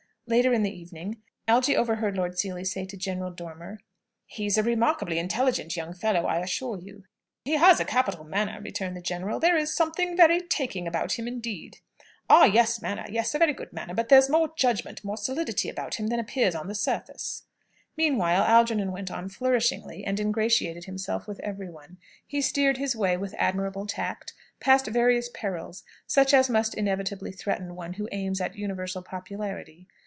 Later in the evening Algy overheard Lord Seely say to General Dormer, "He's a remarkably intelligent young fellow, I assure you." "He has a capital manner," returned the general. "There is something very taking about him, indeed." "Oh yes, manner; yes; a very good manner but there's more judgment, more solidity about him than appears on the surface." Meanwhile, Algernon went on flourishingly, and ingratiated himself with every one. He steered his way, with admirable tact, past various perils, such as must inevitably threaten one who aims at universal popularity.